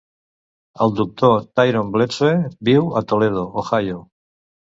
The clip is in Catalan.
El doctor Tyrone Bledsoe viu a Toledo, Ohio.